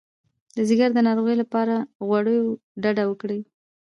د ځیګر د روغتیا لپاره له غوړو ډډه وکړئ